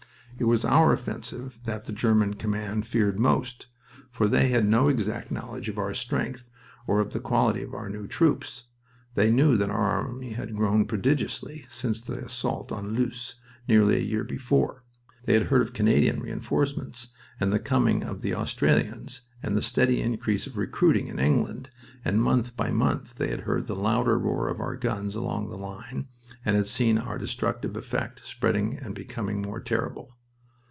It was our offensive that the German command feared most, for they had no exact knowledge of our strength or of the quality of our new troops. They knew that our army had grown prodigiously since the assault on Loos, nearly a year before. They had heard of the Canadian reinforcements, and the coming of the Australians, and the steady increase of recruiting in England, and month by month they had heard the louder roar of our guns along the line, and had seen their destructive effect spreading and becoming more terrible.